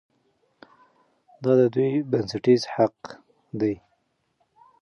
دا د دوی بنسټیز حق دی.